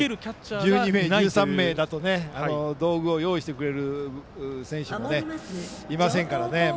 この人数だと道具を用意してくれる選手もいませんからね。